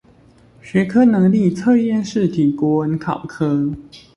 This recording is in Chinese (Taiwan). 學科能力測驗試題國文考科